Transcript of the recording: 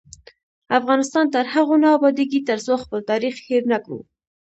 افغانستان تر هغو نه ابادیږي، ترڅو خپل تاریخ هیر نکړو.